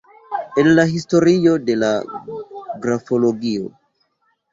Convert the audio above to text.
El la historio de la grafologio.